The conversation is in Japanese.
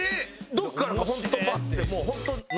どこからかホントバッて。